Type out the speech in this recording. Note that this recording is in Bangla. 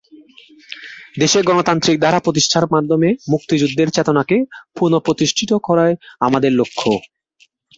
দেশে গণতান্ত্রিক ধারা প্রতিষ্ঠার মাধ্যমে মুক্তিযুদ্ধের চেতনাকে পুনঃপ্রতিষ্ঠা করাই আমাদের লক্ষ্য।